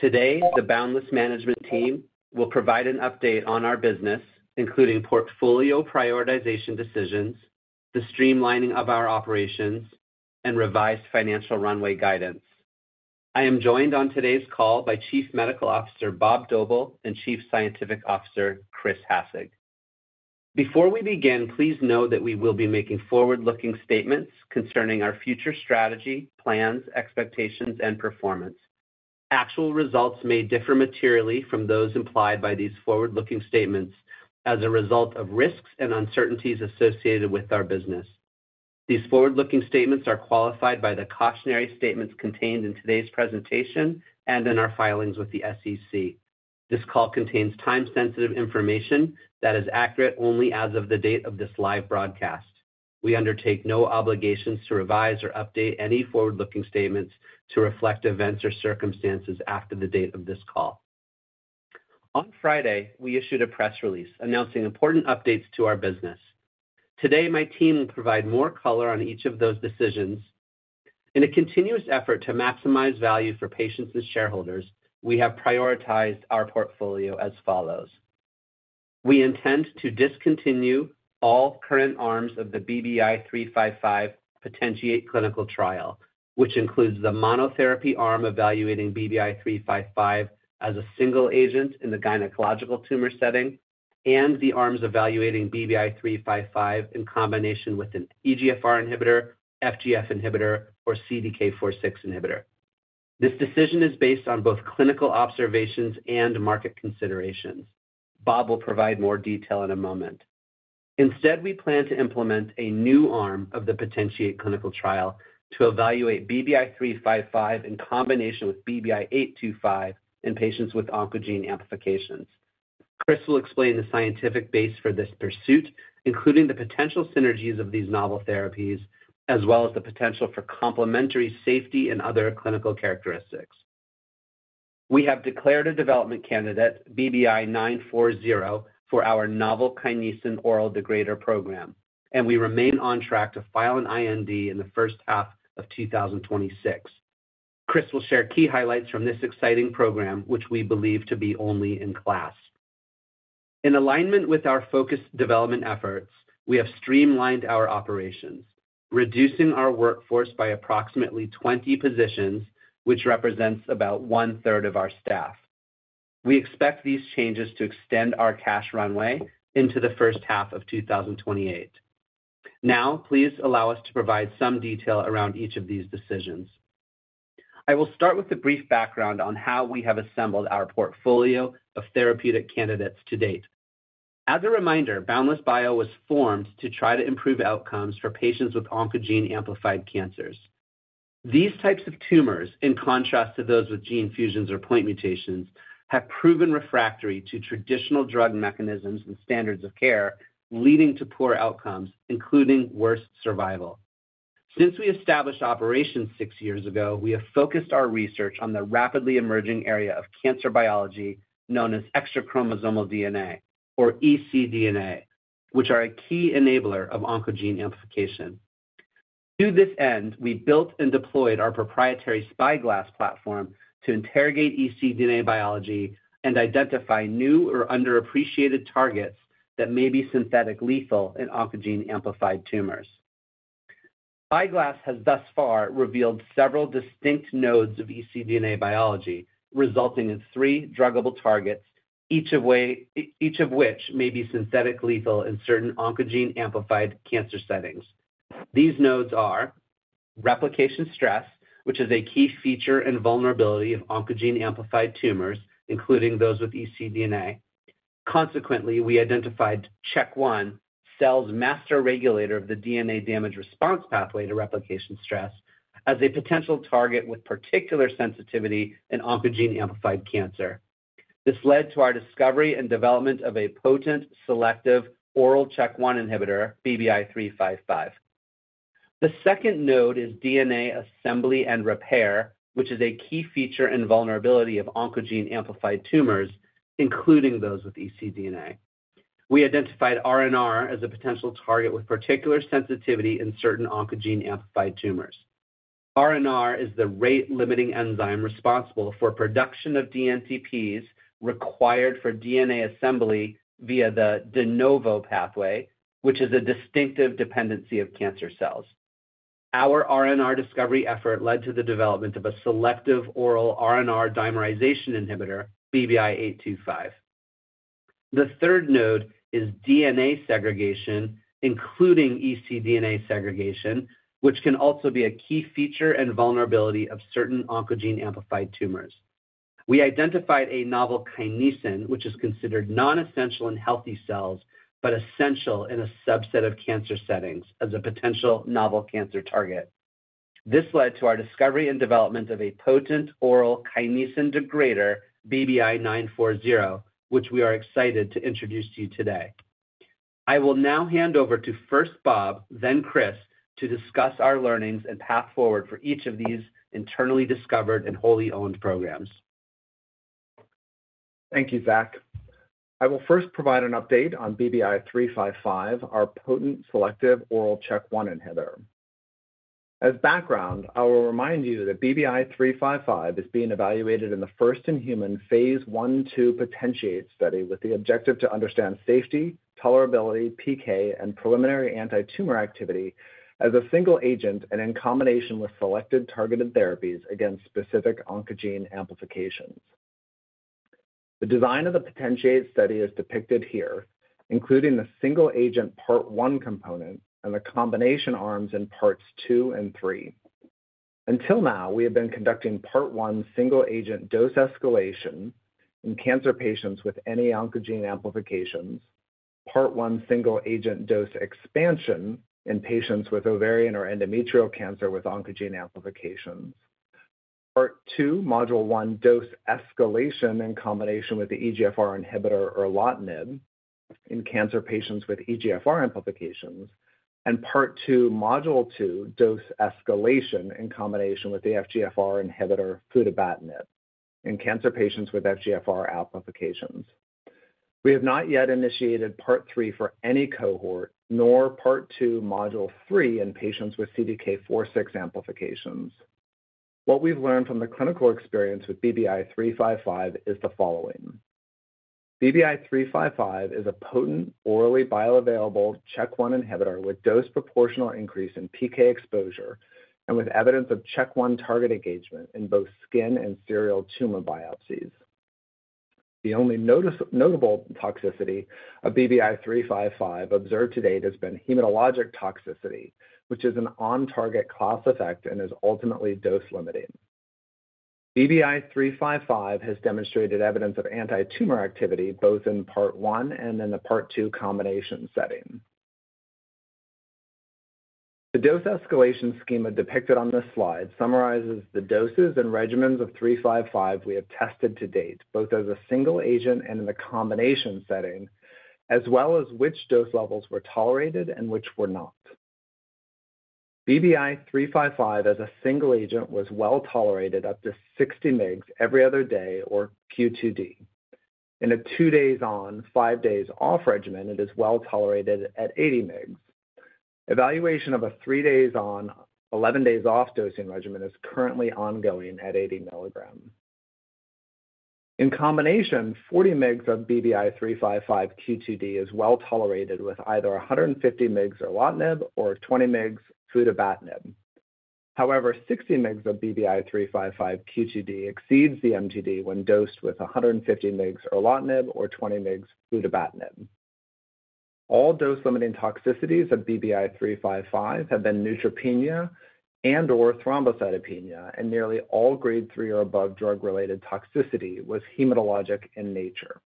Today, the Boundless Bio management team will provide an update on our business, including portfolio prioritization decisions, the streamlining of our operations, and revised financial runway guidance. I am joined on today's call by Chief Medical Officer Bob Doebele and Chief Scientific Officer Chris Hassig. Before we begin, please note that we will be making forward-looking statements concerning our future strategy, plans, expectations, and performance. Actual results may differ materially from those implied by these forward-looking statements as a result of risks and uncertainties associated with our business. These forward-looking statements are qualified by the cautionary statements contained in today's presentation and in our filings with the SEC. This call contains time-sensitive information that is accurate only as of the date of this live broadcast. We undertake no obligations to revise or update any forward-looking statements to reflect events or circumstances after the date of this call. On Friday, we issued a press release announcing important updates to our business. Today, my team will provide more color on each of those decisions. In a continuous effort to maximize value for patients and shareholders, we have prioritized our portfolio as follows. We intend to discontinue all current arms of the BBI-355 POTENTIATE clinical trial, which includes the monotherapy arm evaluating BBI-355 as a single agent in the gynecological tumor setting and the arms evaluating BBI-355 in combination with an EGFR inhibitor, FGFR inhibitor, or CDK4/6 inhibitor. This decision is based on both clinical observations and market considerations. Bob will provide more detail in a moment. Instead, we plan to implement a new arm of the POTENTIATE clinical trial to evaluate BBI-355 in combination with BBI-825 in patients with oncogene amplifications. Chris will explain the scientific base for this pursuit, including the potential synergies of these novel therapies, as well as the potential for complementary safety and other clinical characteristics. We have declared a development candidate, BBI-940, for our novel kinesin oral degrader program, and we remain on track to file an IND in the first half of 2026. Chris will share key highlights from this exciting program, which we believe to be only in class. In alignment with our focused development efforts, we have streamlined our operations, reducing our workforce by approximately 20 positions, which represents about one-third of our staff. We expect these changes to extend our cash runway into the first half of 2028. Now, please allow us to provide some detail around each of these decisions. I will start with a brief background on how we have assembled our portfolio of therapeutic candidates to date. As a reminder, Boundless Bio was formed to try to improve outcomes for patients with oncogene-amplified cancers. These types of tumors, in contrast to those with gene fusions or point mutations, have proven refractory to traditional drug mechanisms and standards of care, leading to poor outcomes, including worse survival. Since we established operations six years ago, we have focused our research on the rapidly emerging area of cancer biology known as extrachromosomal DNA, or ecDNA, which are a key enabler of oncogene amplification. To this end, we built and deployed our proprietary Spyglass platform to interrogate ecDNA biology and identify new or underappreciated targets that may be synthetically lethal in oncogene-amplified tumors. Spyglass has thus far revealed several distinct nodes of ecDNA biology, resulting in three druggable targets, each of which may be synthetically lethal in certain oncogene-amplified cancer settings. These nodes are replication stress, which is a key feature and vulnerability of oncogene-amplified tumors, including those with ecDNA. Consequently, we identified CHK1, cell's master regulator of the DNA damage response pathway to replication stress, as a potential target with particular sensitivity in oncogene-amplified cancer. This led to our discovery and development of a potent selective oral CHK1 inhibitor, BBI-355. The second node is DNA assembly and repair, which is a key feature and vulnerability of oncogene-amplified tumors, including those with ecDNA. We identified RNR as a potential target with particular sensitivity in certain oncogene-amplified tumors. RNR is the rate-limiting enzyme responsible for production of dNTPs required for DNA assembly via the de novo pathway, which is a distinctive dependency of cancer cells. Our RNR discovery effort led to the development of a selective oral RNR dimerization inhibitor, BBI-825. The third node is DNA segregation, including ecDNA segregation, which can also be a key feature and vulnerability of certain oncogene-amplified tumors. We identified a novel kinesin, which is considered nonessential in healthy cells but essential in a subset of cancer settings, as a potential novel cancer target. This led to our discovery and development of a potent oral kinesin degrader, BBI-940, which we are excited to introduce to you today. I will now hand over to first Bob, then Chris, to discuss our learnings and path forward for each of these internally discovered and wholly owned programs. Thank you, Zach. I will first provide an update on BBI-355, our potent selective oral CHK1 inhibitor. As background, I will remind you that BBI-355 is being evaluated in the first in human phase one two POTENTIATE study with the objective to understand safety, tolerability, PK, and preliminary anti-tumor activity as a single agent and in combination with selected targeted therapies against specific oncogene amplifications. The design of the POTENTIATE study is depicted here, including the single agent part one component and the combination arms in parts two and three. Until now, we have been conducting part one single-agentt dose escalation in cancer patients with any oncogene amplifications, part one single-agent dose expansion in patients with ovarian or endometrial cancer with oncogene amplifications, part two module one dose escalation in combination with the EGFR inhibitor, Erlotinib, in cancer patients with EGFR amplifications, and part two module two dose escalation in combination with the FGFR inhibitor, Futibatinib, in cancer patients with FGFR amplifications. We have not yet initiated part three for any cohort, nor part two module three in patients with CDK4/6 amplifications. What we've learned from the clinical experience with BBI-355 is the following. BBI-355 is a potent orally bioavailable CHK1 inhibitor with dose-proportional increase in PK exposure and with evidence of CHK1 target engagement in both skin and serial tumor biopsies. The only notable toxicity of BBI-355 observed to date has been hematologic toxicity, which is an on-target class effect and is ultimately dose limiting. BBI-355 has demonstrated evidence of antitumor activity both in part one and in the part two combination setting. The dose-escalation schema depicted on this slide summarizes the doses and regimens of 355 we have tested to date, both as a single agent and in the combination setting, as well as which dose levels were tolerated and which were not. BBI-355 as a single-agent was well tolerated up to 60 mg every other day or Q2D. In a two days on, five days off regimen, it is well tolerated at 80 mg. Evaluation of a three days on, 11 days off dosing regimen is currently ongoing at 80 mg. In combination, 40 mg of BBI-355 Q2D is well tolerated with either 150 mg Erlotinib or 20 mg Futibatinib. However, 60 mg of BBI-355 Q2D exceeds the MTD when dosed with 150 mg Erlotinib or 20 mg Futibatinib. All dose limiting toxicities of BBI-355 have been neutropenia and/or thrombocytopenia, and nearly all grade three or above drug-related toxicity was hematologic in nature.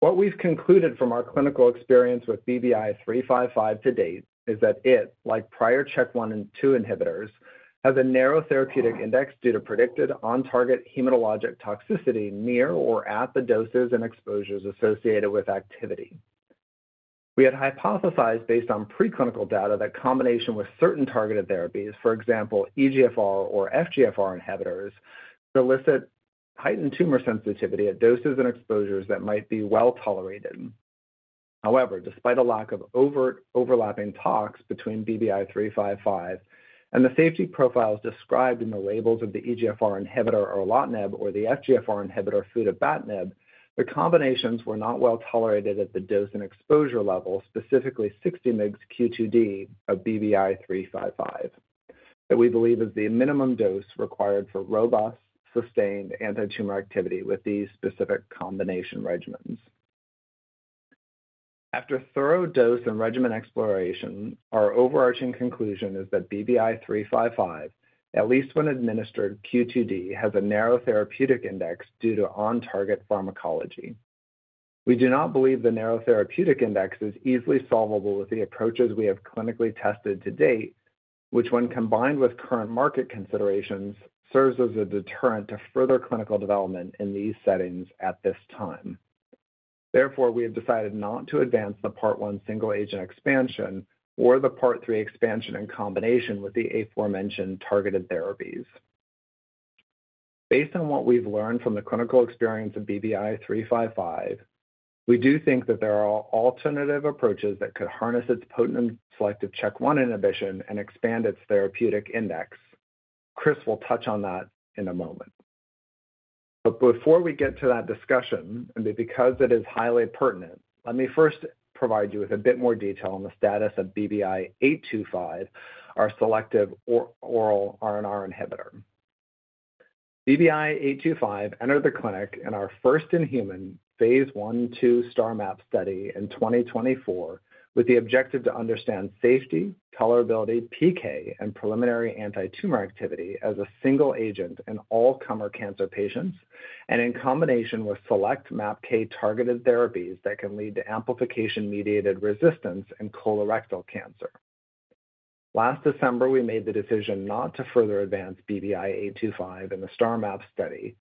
What we've concluded from our clinical experience with BBI-355 to date is that it, like prior CHK1 and 2 inhibitors, has a narrow therapeutic index due to predicted on-target hematologic toxicity near or at the doses and exposures associated with activity. We had hypothesized based on preclinical data that combination with certain targeted therapies, for example, EGFR or FGFR inhibitors, could elicit heightened tumor sensitivity at doses and exposures that might be well tolerated. However, despite a lack of overlapping toxicities between BBI-355 and the safety profiles described in the labels of the EGFR inhibitor Erlotinib or the FGFR inhibitor Futibatinib, the combinations were not well tolerated at the dose and exposure level, specifically 60 mg Q2D of BBI-355, that we believe is the minimum dose required for robust, sustained anti-tumor activity with these specific combination regimens. After thorough dose and regimen exploration, our overarching conclusion is that BBI-355, at least when administered Q2D, has a narrow therapeutic index due to on-target pharmacology. We do not believe the narrow therapeutic index is easily solvable with the approaches we have clinically tested to date, which, when combined with current market considerations, serves as a deterrent to further clinical development in these settings at this time. Therefore, we have decided not to advance the part one single agent expansion or the part three expansion in combination with the aforementioned targeted therapies. Based on what we've learned from the clinical experience of BBI-355, we do think that there are alternative approaches that could harness its potent selective CHK1 inhibition and expand its therapeutic index. Chris will touch on that in a moment. Before we get to that discussion, and because it is highly pertinent, let me first provide you with a bit more detail on the status of BBI-825, our selective oral RNR inhibitor. BBI-825 entered the clinic in our first in human phase one two Star Map study in 2024 with the objective to understand safety, tolerability, PK, and preliminary anti-tumor activity as a single agent in all comer cancer patients and in combination with select MAPK targeted therapies that can lead to amplification-mediated resistance in colorectal cancer. Last December, we made the decision not to further advance BBI-825 in the Star Map study,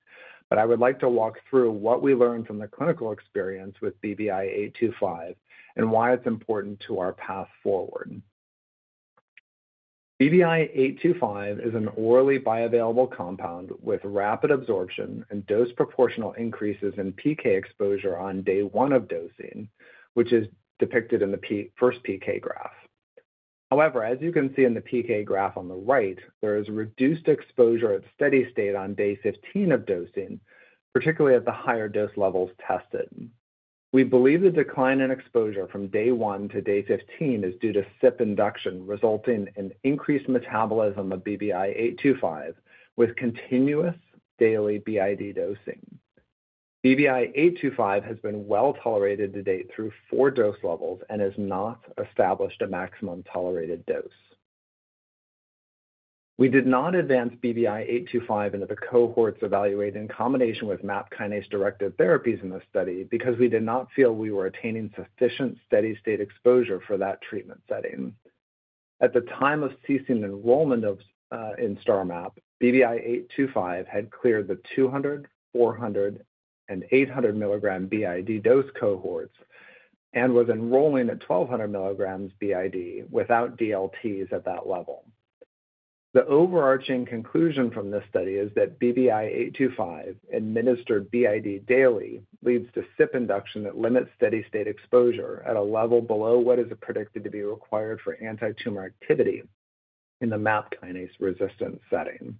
but I would like to walk through what we learned from the clinical experience with BBI-825 and why it's important to our path forward. BBI-825 is an orally bioavailable compound with rapid absorption and dose proportional increases in PK exposure on day one of dosing, which is depicted in the first PK graph. However, as you can see in the PK graph on the right, there is reduced exposure at steady state on day 15 of dosing, particularly at the higher dose levels tested. We believe the decline in exposure from day one to day 15 is due to CYP induction resulting in increased metabolism of BBI-825 with continuous daily BID dosing. BBI-825 has been well tolerated to date through four dose levels and has not established a maximum tolerated dose. We did not advance BBI-825 into the cohorts evaluated in combination with MAP kinase-directed therapies in this study because we did not feel we were attaining sufficient steady state exposure for that treatment setting. At the time of ceasing enrollment in Star Map, BBI-825 had cleared the 200 mg, 400 mg, and 800 mg BID dose cohorts and was enrolling at 1200 mg BID without DLTs at that level. The overarching conclusion from this study is that BBI-825 administered BID daily leads to CYP induction that limits steady state exposure at a level below what is predicted to be required for anti-tumor activity in the MAP kinase resistance setting.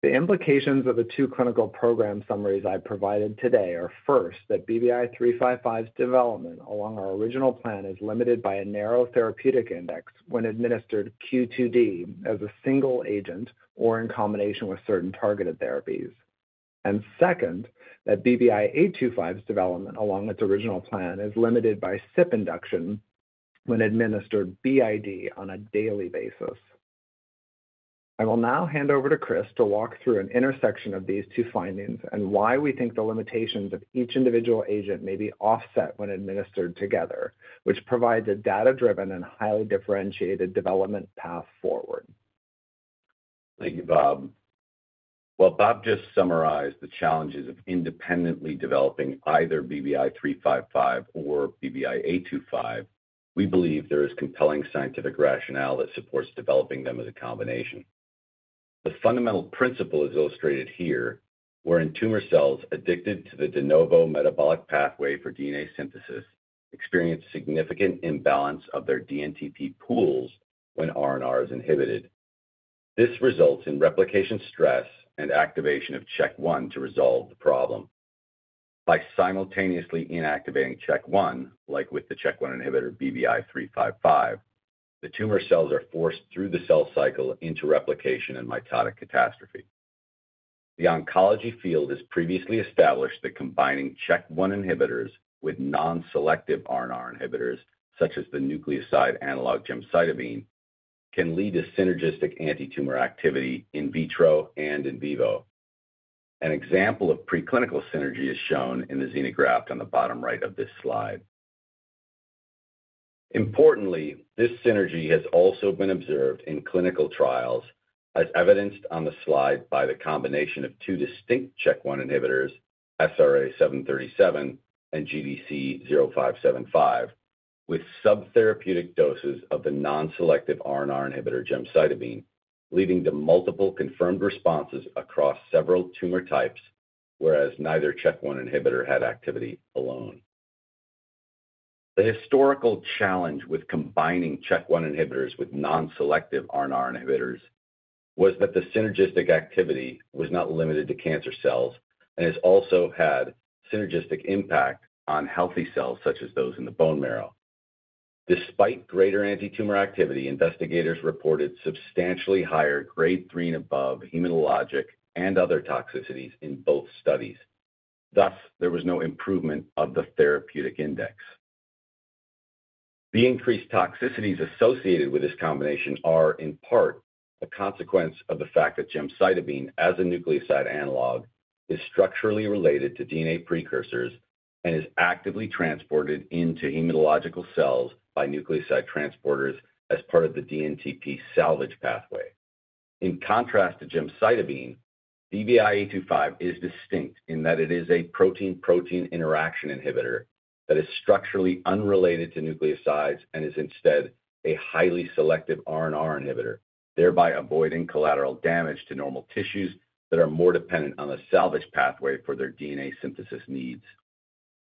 The implications of the two clinical program summaries I provided today are, first, that BBI-355's development along our original plan is limited by a narrow therapeutic index when administered Q2D as a single agent or in combination with certain targeted therapies, and second, that BBI-825's development along its original plan is limited by CYP induction when administered BID on a daily basis. I will now hand over to Chris to walk through an intersection of these two findings and why we think the limitations of each individual agent may be offset when administered together, which provides a data-driven and highly differentiated development path forward. Thank you, Bob. While Bob just summarized the challenges of independently developing either BBI-355 or BBI-825, we believe there is compelling scientific rationale that supports developing them as a combination. The fundamental principle is illustrated here, wherein tumor cells addicted to the de novo metabolic pathway for DNA synthesis experience significant imbalance of their dNTP pools when RNR is inhibited. This results in replication stress and activation of CHK1 to resolve the problem. By simultaneously inactivating CHK1, like with the CHK1 inhibitor BBI-355, the tumor cells are forced through the cell cycle into replication and mitotic catastrophe. The oncology field has previously established that combining CHK1 inhibitors with non-selective RNR inhibitors, such as the nucleoside analog gemcitabine, can lead to synergistic anti-tumor activity in vitro and in vivo. An example of preclinical synergy is shown in the xenograft on the bottom right of this slide. Importantly, this synergy has also been observed in clinical trials, as evidenced on the slide by the combination of two distinct CHK1 inhibitors, SRA737 and GDC0575, with subtherapeutic doses of the non-selective RNR inhibitor gemcitabine, leading to multiple confirmed responses across several tumor types, whereas neither CHK1 inhibitor had activity alone. The historical challenge with combining CHK1 inhibitors with non-selective RNR inhibitors was that the synergistic activity was not limited to cancer cells and has also had synergistic impact on healthy cells such as those in the bone marrow. Despite greater anti-tumor activity, investigators reported substantially higher grade three and above hematologic and other toxicities in both studies. Thus, there was no improvement of the therapeutic index. The increased toxicities associated with this combination are, in part, a consequence of the fact that gemcitabine, as a nucleoside analog, is structurally related to DNA precursors and is actively transported into hematological cells by nucleoside transporters as part of the DNTP salvage pathway. In contrast to gemcitabine, BBI-825 is distinct in that it is a protein-protein interaction inhibitor that is structurally unrelated to nucleosides and is instead a highly selective RNR inhibitor, thereby avoiding collateral damage to normal tissues that are more dependent on the salvage pathway for their DNA synthesis needs.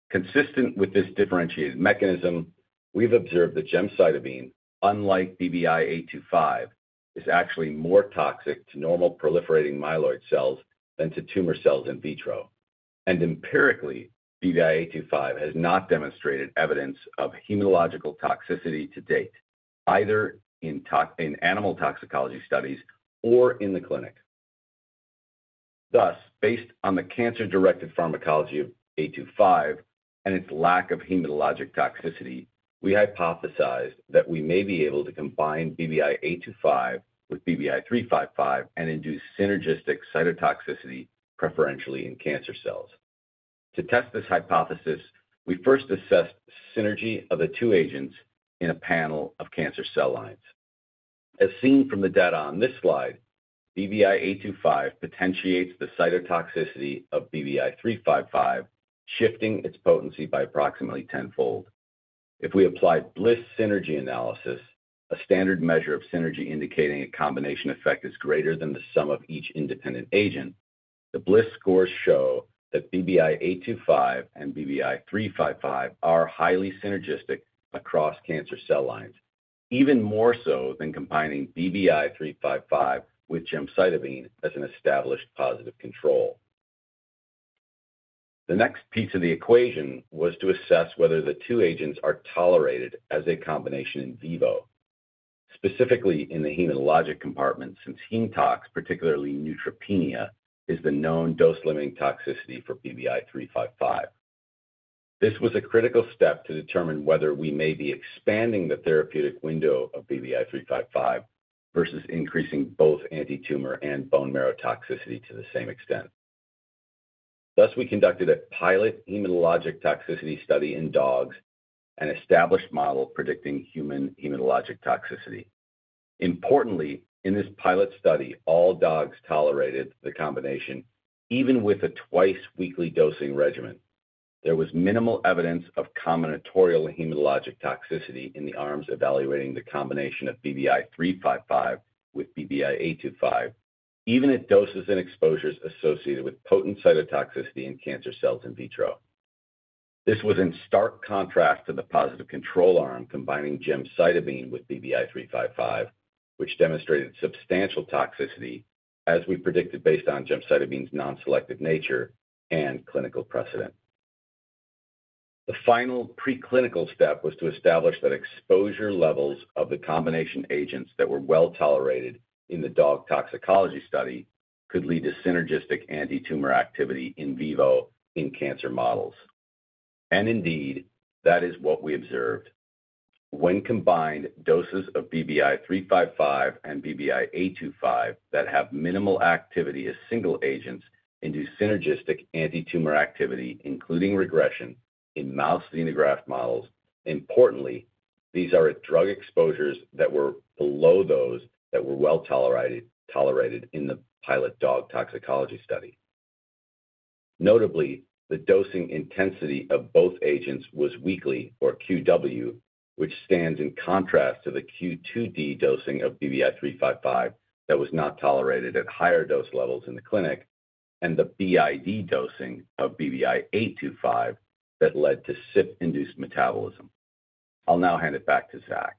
Consistent with this differentiated mechanism, we've observed that gemcitabine, unlike BBI-825, is actually more toxic to normal proliferating myeloid cells than to tumor cells in vitro. Empirically, BBI-825 has not demonstrated evidence of hematological toxicity to date, either in animal toxicology studies or in the clinic. Thus, based on the cancer-directed pharmacology of 825 and its lack of hematologic toxicity, we hypothesized that we may be able to combine BBI-825 with BBI-355 and induce synergistic cytotoxicity preferentially in cancer cells. To test this hypothesis, we first assessed synergy of the two agents in a panel of cancer cell lines. As seen from the data on this slide, BBI-825 potentiates the cytotoxicity of BBI-355, shifting its potency by approximately tenfold. If we apply BLISS synergy analysis, a standard measure of synergy indicating a combination effect is greater than the sum of each independent agent, the BLISS scores show that BBI-825 and BBI-355 are highly synergistic across cancer cell lines, even more so than combining BBI-355 with gemcitabine as an established positive control. The next piece of the equation was to assess whether the two agents are tolerated as a combination in vivo, specifically in the hematologic compartment, since heme tox, particularly neutropenia, is the known dose limiting toxicity for BBI-355. This was a critical step to determine whether we may be expanding the therapeutic window of BBI-355 versus increasing both anti-tumor and bone marrow toxicity to the same extent. Thus, we conducted a pilot hematologic toxicity study in dogs, an established model predicting human hematologic toxicity. Importantly, in this pilot study, all dogs tolerated the combination even with a twice-weekly dosing regimen. There was minimal evidence of combinatorial hematologic toxicity in the arms evaluating the combination of BBI-355 with BBI-825, even at doses and exposures associated with potent cytotoxicity in cancer cells in vitro. This was in stark contrast to the positive control arm combining gemcitabine with BBI-355, which demonstrated substantial toxicity, as we predicted based on gemcitabine's non-selective nature and clinical precedent. The final preclinical step was to establish that exposure levels of the combination agents that were well tolerated in the dog toxicology study could lead to synergistic anti-tumor activity in vivo in cancer models. Indeed, that is what we observed. When combined, doses of BBI-355 and BBI-825 that have minimal activity as single agents induce synergistic anti-tumor activity, including regression, in mouse xenograft models. Importantly, these are at drug exposures that were below those that were well tolerated in the pilot dog toxicology study. Notably, the dosing intensity of both agents was weekly, or QW, which stands in contrast to the Q2D dosing of BBI-355 that was not tolerated at higher dose levels in the clinic, and the BID dosing of BBI-825 that led to CYP-induced metabolism. I'll now hand it back to Zach.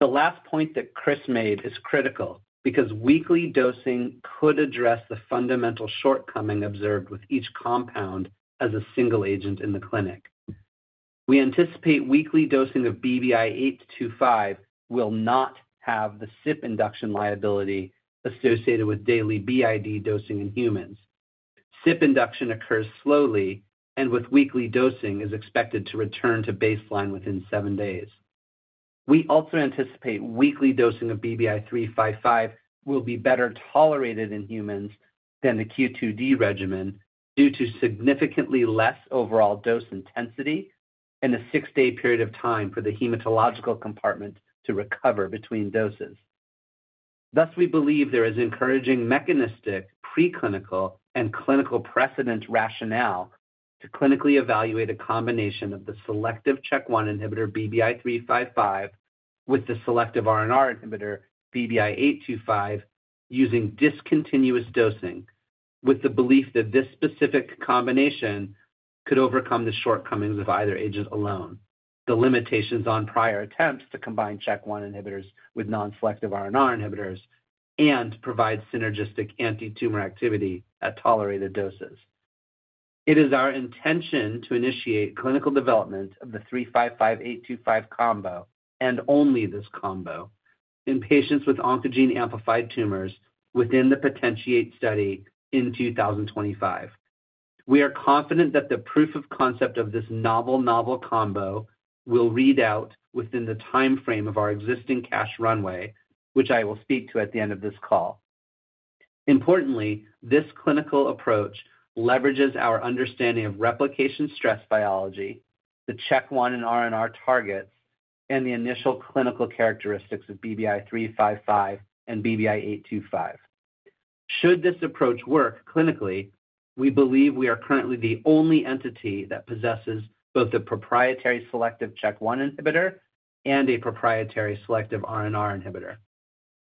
The last point that Chris made is critical because weekly dosing could address the fundamental shortcoming observed with each compound as a single agent in the clinic. We anticipate weekly dosing of BBI-825 will not have the CYP induction liability associated with daily BID dosing in humans. CYP induction occurs slowly, and with weekly dosing, it is expected to return to baseline within seven days. We also anticipate weekly dosing of BBI-355 will be better tolerated in humans than the Q2D regimen due to significantly less overall dose intensity and a six-day period of time for the hematological compartment to recover between doses. Thus, we believe there is encouraging mechanistic preclinical and clinical precedent rationale to clinically evaluate a combination of the selective CHK1 inhibitor BBI-355 with the selective RNR inhibitor BBI-825 using discontinuous dosing, with the belief that this specific combination could overcome the shortcomings of either agent alone, the limitations on prior attempts to combine CHK1 inhibitors with non-selective RNR inhibitors, and provide synergistic anti-tumor activity at tolerated doses. It is our intention to initiate clinical development of the 355825 combo, and only this combo, in patients with oncogene amplified tumors within the POTENTIATE study in 2025. We are confident that the proof-of-concept of this novel-novel comboo will read out within the timeframe of our existing cash runway, which I will speak to at the end of this call. Importantly, this clinical approach leverages our understanding of replication stress biology, the CHK1 and RNR targets, and the initial clinical characteristics of BBI-355 and BBI-825. Should this approach work clinically, we believe we are currently the only entity that possesses both a proprietary selective CHK1 inhibitor and a proprietary selective RNR inhibitor.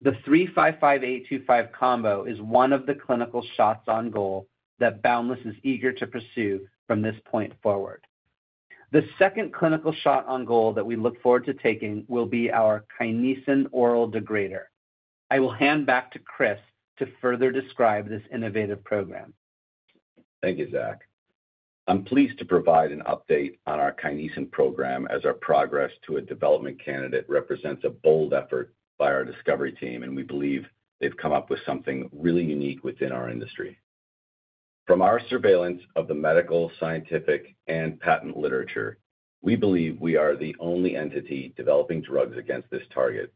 The 355825 combo is one of the clinical shots on goal that Boundless is eager to pursue from this point forward. The second clinical shot on goal that we look forward to taking will be our Kinesin oral degrader. I will hand back to Chris to further describe this innovative program. Thank you, Zach. I'm pleased to provide an update on our Kinesin program as our progress to a development candidate represents a bold effort by our discovery team, and we believe they've come up with something really unique within our industry. From our surveillance of the medical, scientific, and patent literature, we believe we are the only entity developing drugs against this target.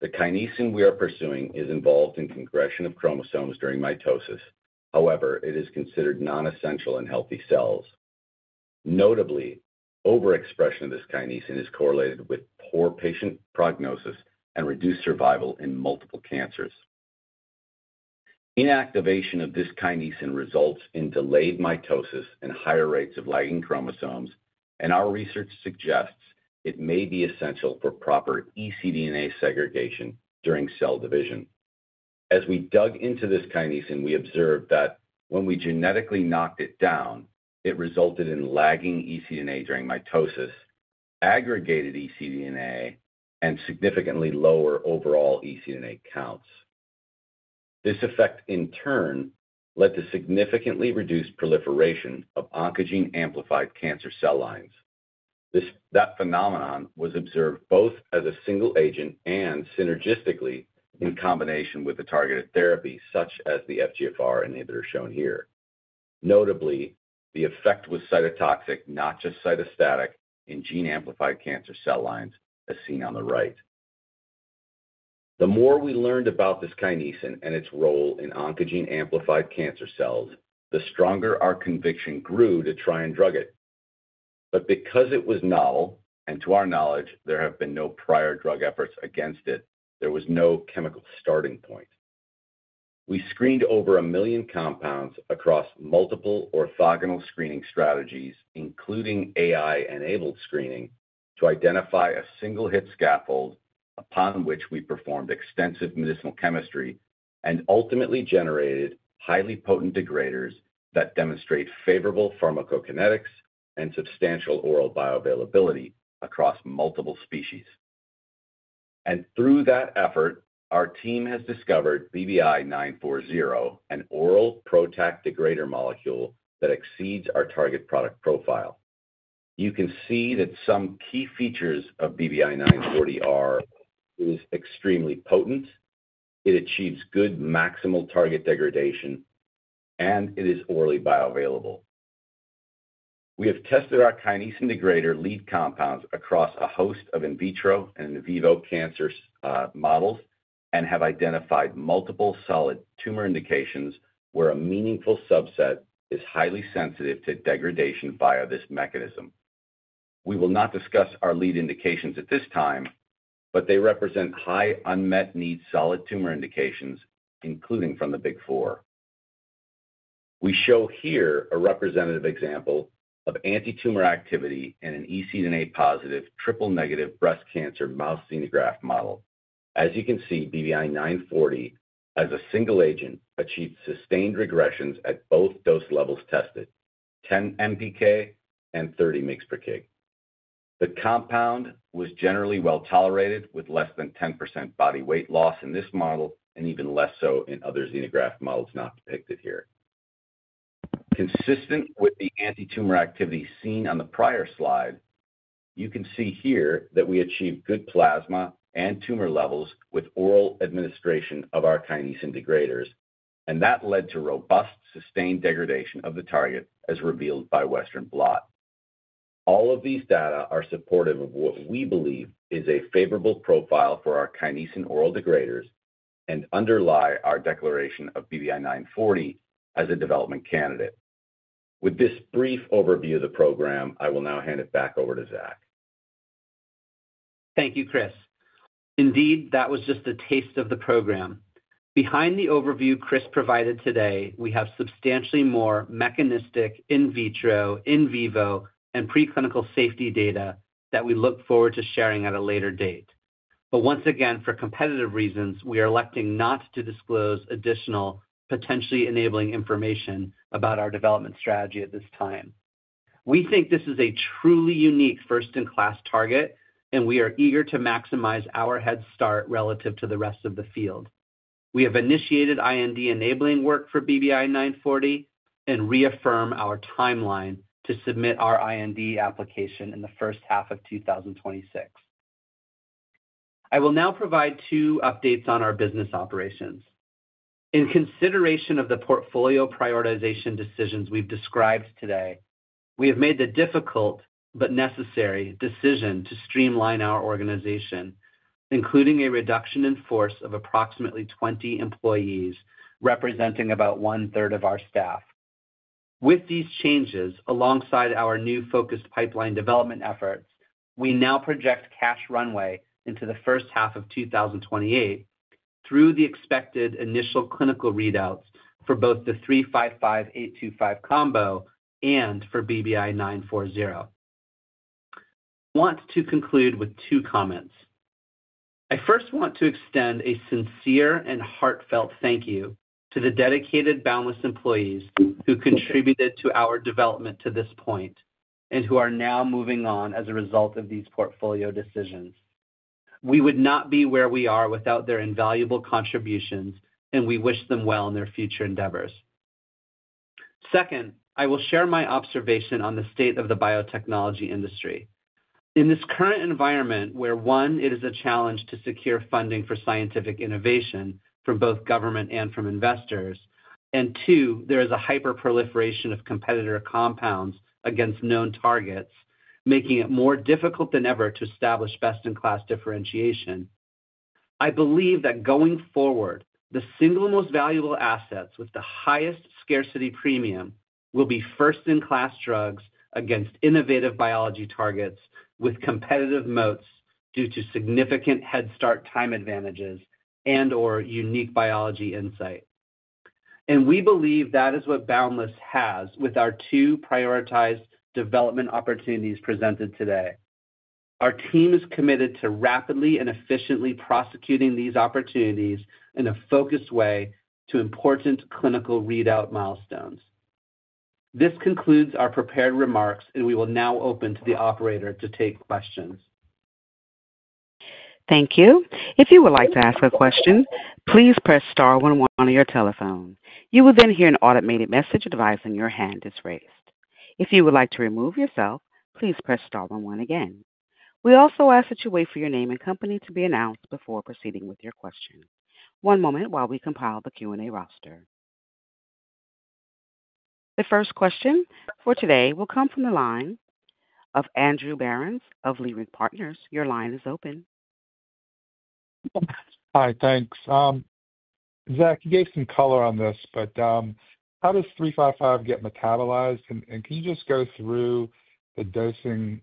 The Kinesin we are pursuing is involved in congregation of chromosomes during mitosis. However, it is considered nonessential in healthy cells. Notably, overexpression of this Kinesin is correlated with poor patient prognosis and reduced survival in multiple cancers. Inactivation of this Kinesin results in delayed mitosis and higher rates of lagging chromosomes, and our research suggests it may be essential for proper ecDNA segregation during cell division. As we dug into this Kinesin, we observed that when we genetically knocked it down, it resulted in lagging ecDNA during mitosis, aggregated ecDNA, and significantly lower overall ecDNA counts. This effect, in turn, led to significantly reduced proliferation of oncogene amplified cancer cell lines. That phenomenon was observed both as a single agent and synergistically in combination with the targeted therapy, such as the FGFR inhibitor shown here. Notably, the effect was cytotoxic, not just cytostatic, in gene-amplified cancer cell lines, as seen on the right. The more we learned about this Kinesin and its role in oncogene amplified cancer cells, the stronger our conviction grew to try and drug it. Because it was novel, and to our knowledge, there have been no prior drug efforts against it, there was no chemical starting point. We screened over a million compounds across multiple orthogonal screening strategies, including AI-enabled screening, to identify a single-hit scaffold upon which we performed extensive medicinal chemistry and ultimately generated highly potent degraders that demonstrate favorable pharmacokinetics and substantial oral bioavailability across multiple species. Through that effort, our team has discovered BBI-940, an oral protact degrader molecule that exceeds our target product profile. You can see that some key features of BBI-940 are: it is extremely potent, it achieves good maximal target degradation, and it is orally bioavailable. We have tested our Kinesin degrader lead compounds across a host of in vitro and in vivo cancer models and have identified multiple solid tumor indications where a meaningful subset is highly sensitive to degradation via this mechanism. We will not discuss our lead indications at this time, but they represent high unmet need solid tumor indications, including from the Big Four. We show here a representative example of anti-tumor activity in an ecDNA-positive triple-negative breast cancer mouse xenograft model. As you can see, BBI-940, as a single agent, achieved sustained regressions at both dose levels tested: 10 mg per kg and 30 mg per kg. The compound was generally well tolerated with less than 10% body weight loss in this model and even less so in other xenograft models not depicted here. Consistent with the anti-tumor activity seen on the prior slide, you can see here that we achieved good plasma and tumor levels with oral administration of our kinesin degraders, and that led to robust sustained degradation of the target, as revealed by Western blot. All of these data are supportive of what we believe is a favorable profile for our kinesin oral degraders and underlie our declaration of BBI-940 as a development candidate. With this brief overview of the program, I will now hand it back over to Zach. Thank you, Chris. Indeed, that was just a taste of the program. Behind the overview Chris provided today, we have substantially more mechanistic in vitro, in vivo, and preclinical safety data that we look forward to sharing at a later date. For competitive reasons, we are electing not to disclose additional potentially enabling information about our development strategy at this time. We think this is a truly unique first-in-class target, and we are eager to maximize our head start relative to the rest of the field. We have initiated IND-enabling work for BBI-940 and reaffirm our timeline to submit our IND application in the first half of 2026. I will now provide two updates on our business operations. In consideration of the portfolio prioritization decisions we have described today, we have made the difficult but necessary decision to streamline our organization, including a reduction in force of approximately 20 employees representing about one-third of our staff. With these changes, alongside our new focused pipeline development efforts, we now project cash runway into the first half of 2028 through the expected initial clinical readouts for both the 355/825 combo and for BBI-940. I want to conclude with two comments. I first want to extend a sincere and heartfelt thank you to the dedicated Boundless Bio employees who contributed to our development to this point and who are now moving on as a result of these portfolio decisions. We would not be where we are without their invaluable contributions, and we wish them well in their future endeavors. Second, I will share my observation on the state of the biotechnology industry. In this current environment where, one, it is a challenge to secure funding for scientific innovation from both government and from investors, and two, there is a hyper-proliferation of competitor compounds against known targets, making it more difficult than ever to establish best-in-class differentiation. I believe that going forward, the single most valuable assets with the highest scarcity premium will be first-in-class drugs against innovative biology targets with competitive moats due to significant head start time advantages and/or unique biology insight. We believe that is what Boundless Bio has with our two prioritized development opportunities presented today. Our team is committed to rapidly and efficiently prosecuting these opportunities in a focused way to important clinical readout milestones. This concludes our prepared remarks, and we will now open to the operator to take questions. Thank you. If you would like to ask a question, please press star one one on your telephone. You will then hear an automated message advising your hand is raised. If you would like to remove yourself, please press star one one again. We also ask that you wait for your name and company to be announced before proceeding with your question. One moment while we compile the Q&A roster. The first question for today will come from the line of Andrew Berens of Leerink Partners. Your line is open. Hi, thanks. Zach, you gave some color on this, but how does 355 get metabolized? Can you just go through the dosing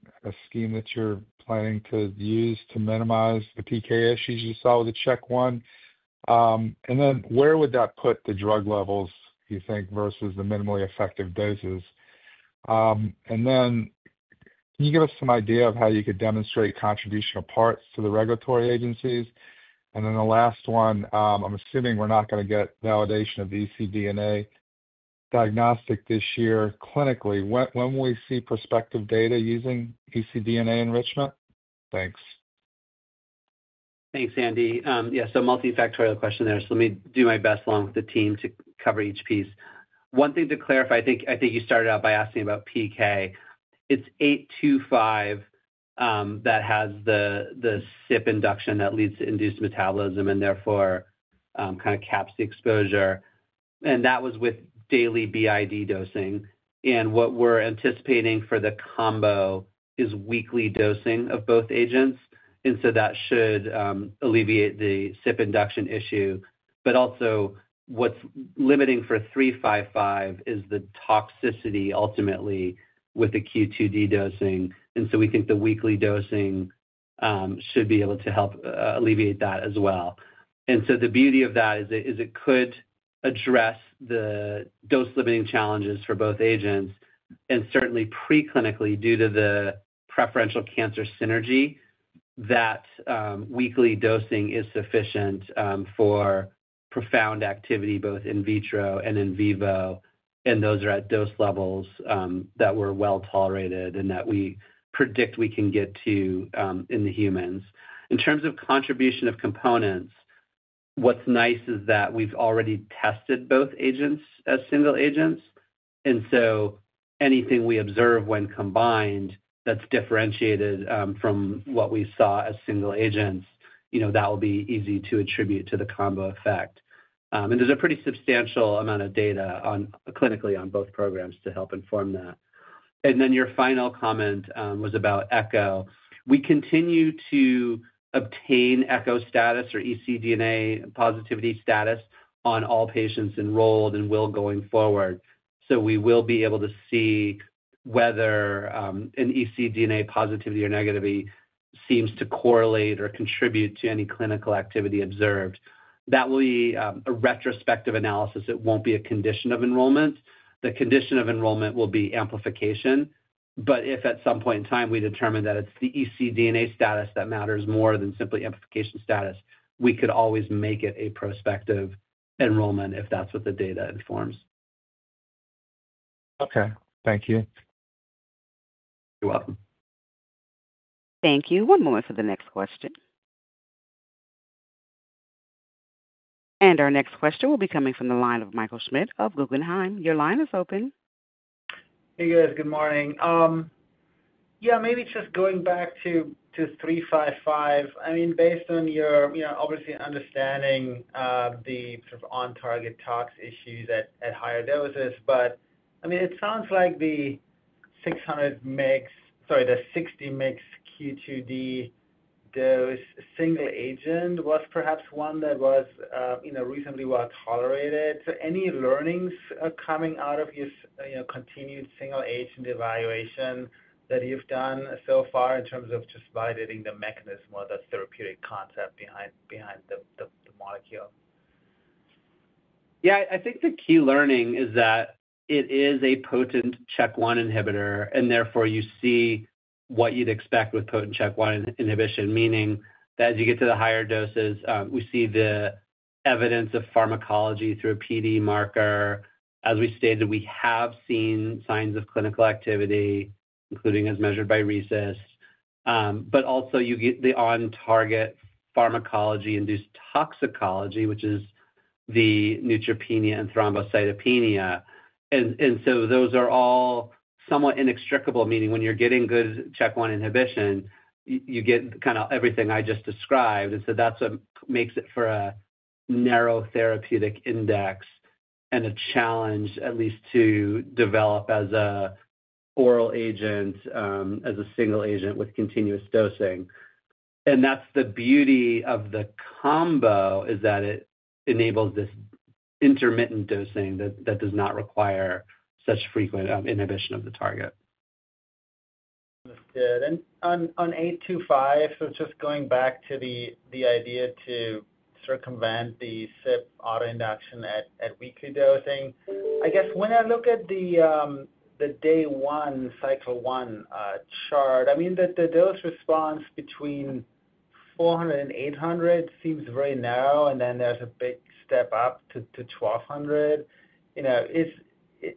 scheme that you're planning to use to minimize the PK issues you saw with the CHK1? Where would that put the drug levels, you think, versus the minimally effective doses? Can you give us some idea of how you could demonstrate contributional parts to the regulatory agencies? The last one, I'm assuming we're not going to get validation of ecDNA diagnostic this year clinically. When will we see prospective data using ecDNA enrichment? Thanks. Thanks, Andy. Yeah, multifactorial question there. Let me do my best along with the team to cover each piece. One thing to clarify, I think you started out by asking about PK. It's 825 that has the CYP induction that leads to induced metabolism and therefore kind of caps the exposure. That was with daily BID dosing. What we're anticipating for the combo is weekly dosing of both agents. That should alleviate the CYP induction issue. Also, what's limiting for 355 is the toxicity ultimately with the Q2D dosing. We think the weekly dosing should be able to help alleviate that as well. The beauty of that is it could address the dose-limiting challenges for both agents. Certainly preclinically, due to the preferential cancer synergy, that weekly dosing is sufficient for profound activity both in vitro and in vivo. Those are at dose levels that were well tolerated and that we predict we can get to in humans. In terms of contribution of components, what's nice is that we've already tested both agents as single agents. Anything we observe when combined that's differentiated from what we saw as single agents, that will be easy to attribute to the combo effect. There's a pretty substantial amount of data clinically on both programs to help inform that. Your final comment was about ECHO. We continue to obtain ECHO status or ecDNA positivity status on all patients enrolled and will going forward. We will be able to see whether an ecDNA positivity or negativity seems to correlate or contribute to any clinical activity observed. That will be a retrospective analysis. It will not be a condition of enrollment. The condition of enrollment will be amplification. If at some point in time we determine that it is the ecDNA status that matters more than simply amplification status, we could always make it a prospective enrollment if that is what the data informs. Okay. Thank you. You're welcome. Thank you. One moment for the next question. Our next question will be coming from the line of Michael Schmidt of Guggenheim. Your line is open. Hey, guys. Good morning. Yeah, maybe just going back to 355, I mean, based on your obviously understanding the sort of on-target tox issues at higher doses, but I mean, it sounds like the 60 mg Q2D dose single agent was perhaps one that was reasonably well tolerated. So any learnings coming out of your continued single agent evaluation that you've done so far in terms of just validating the mechanism or the therapeutic concept behind the molecule? Yeah, I think the key learning is that it is a potent CHK1 inhibitor, and therefore you see what you'd expect with potent CHK1 inhibition, meaning that as you get to the higher doses, we see the evidence of pharmacology through a PD marker. As we stated, we have seen signs of clinical activity, including as measured by RECIST. You also get the on-target pharmacology-induced toxicology, which is the neutropenia and thrombocytopenia. Those are all somewhat inextricable, meaning when you're getting good CHK1 inhibition, you get kind of everything I just described. That is what makes it for a narrow therapeutic index and a challenge at least to develop as an oral agent, as a single agent with continuous dosing. The beauty of the combo is that it enables this intermittent dosing that does not require such frequent inhibition of the target. Understood. On 825, just going back to the idea to circumvent the CYP autoinduction at weekly dosing, I guess when I look at the day one, cycle one chart, I mean, the dose response between 400 and 800 seems very narrow, and then there is a big step up to 1200.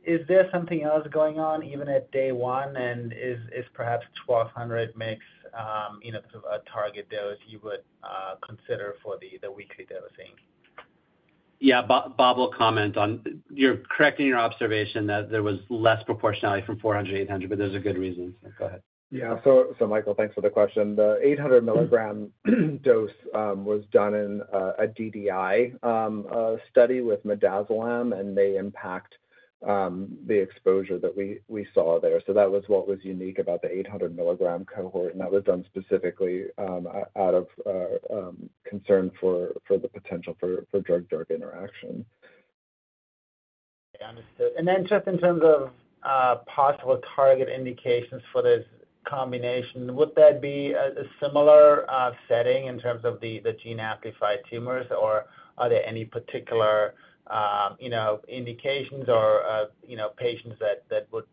Is there something else going on even at day one, and is perhaps 1200 mg sort of a target dose you would consider for the weekly dosing? Yeah, Bob will comment on your correcting your observation that there was less proportionality from 400 to 800, but there's a good reason. Go ahead. Yeah. Michael, thanks for the question. The 800 milligram dose was done in a DDI study with Midazolam, and they impact the exposure that we saw there. That was what was unique about the 800 milligram cohort, and that was done specifically out of concern for the potential for drug-drug interaction. Understood. And then just in terms of possible target indications for this combination, would that be a similar setting in terms of the gene amplified tumors, or are there any particular indications or patients that would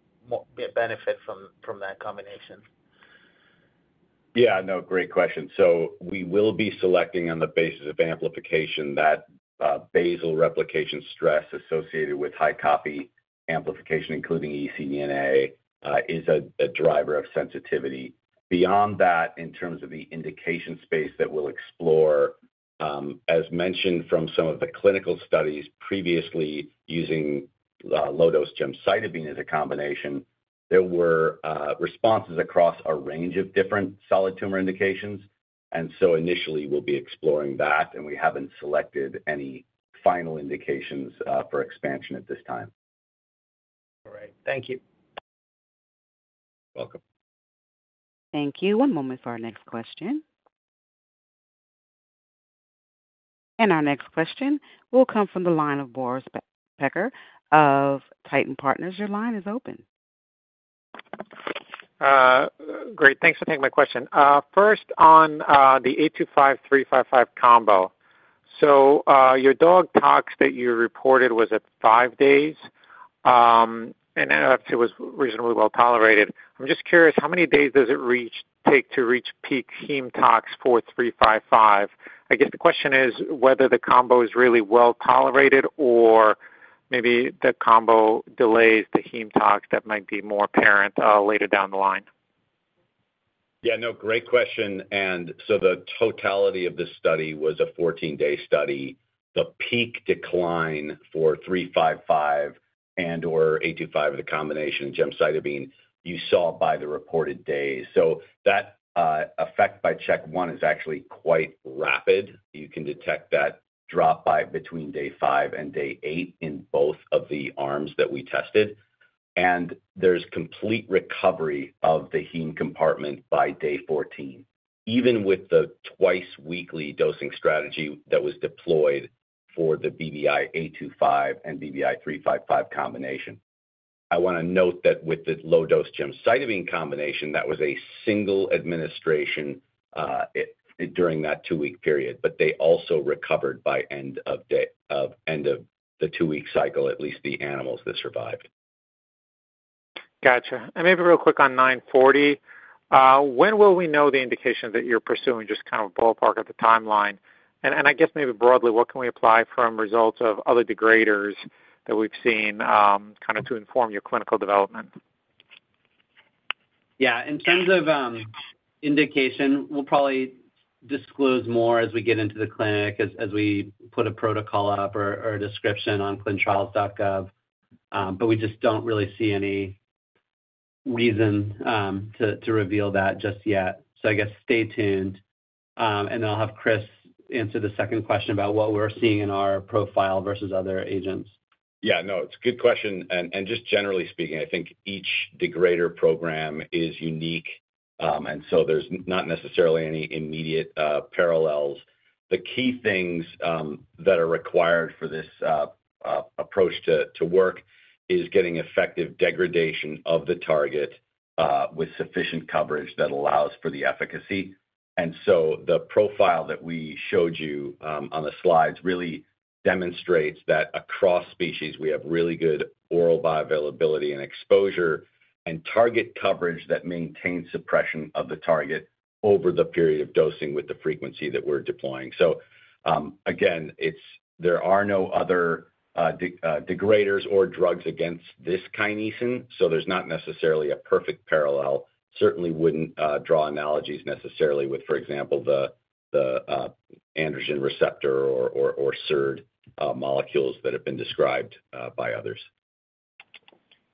benefit from that combination? Yeah, no, great question. We will be selecting on the basis of amplification that basal replication stress associated with high copy amplification, including ecDNA, is a driver of sensitivity. Beyond that, in terms of the indication space that we'll explore, as mentioned from some of the clinical studies previously using low-dose gemcitabine as a combination, there were responses across a range of different solid tumor indications. Initially, we'll be exploring that, and we haven't selected any final indications for expansion at this time. All right. Thank you. You're welcome. Thank you. One moment for our next question. Our next question will come from the line of Boris Peaker of Titan Partners. Your line is open. Great. Thanks for taking my question. First, on the 825/355 combo, so your dog tox that you reported was at five days, and I know that it was reasonably well tolerated. I'm just curious, how many days does it take to reach peak heme tox for 355? I guess the question is whether the combo is really well tolerated or maybe the combo delays the heme tox that might be more apparent later down the line. Yeah, no, great question. The totality of this study was a 14-day study. The peak decline for 355 and/or 825 with a combination of gemcitabine, you saw by the reported days. That effect by CHK1 is actually quite rapid. You can detect that drop by between day five and day eight in both of the arms that we tested. There is complete recovery of the heme compartment by day 14, even with the twice-weekly dosing strategy that was deployed for the BBI-825 and BBI-355 combination. I want to note that with the low-dose gemcitabine combination, that was a single administration during that two-week period, but they also recovered by end of the two-week cycle, at least the animals that survived. Gotcha. Maybe real quick on 940, when will we know the indication that you're pursuing, just kind of ballpark of the timeline? I guess maybe broadly, what can we apply from results of other degraders that we've seen to inform your clinical development? Yeah. In terms of indication, we'll probably disclose more as we get into the clinic, as we put a protocol up or a description on clinicaltrials.gov. We just don't really see any reason to reveal that just yet. I guess stay tuned. I'll have Chris answer the second question about what we're seeing in our profile versus other agents. Yeah, no, it's a good question. Just generally speaking, I think each degrader program is unique, and so there's not necessarily any immediate parallels. The key things that are required for this approach to work is getting effective degradation of the target with sufficient coverage that allows for the efficacy. The profile that we showed you on the slides really demonstrates that across species, we have really good oral bioavailability and exposure and target coverage that maintains suppression of the target over the period of dosing with the frequency that we're deploying. There are no other degraders or drugs against this kinesin, so there's not necessarily a perfect parallel. Certainly wouldn't draw analogies necessarily with, for example, the androgen receptor or SARD molecules that have been described by others.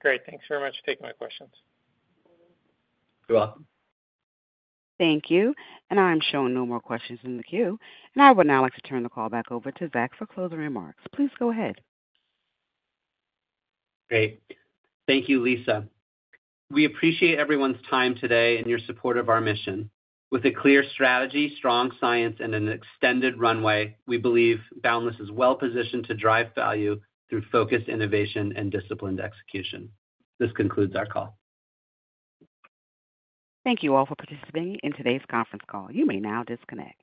Great. Thanks very much for taking my questions. You're welcome. Thank you. I'm showing no more questions in the queue. I would now like to turn the call back over to Zach for closing remarks. Please go ahead. Great. Thank you, Lisa. We appreciate everyone's time today and your support of our mission. With a clear strategy, strong science, and an extended runway, we believe Boundless Bio is well-positioned to drive value through focused innovation and disciplined execution. This concludes our call. Thank you all for participating in today's conference call. You may now disconnect.